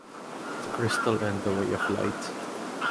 The Crystal and The Way of Light.